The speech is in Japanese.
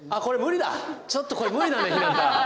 ちょっとこれ無理だねひなた。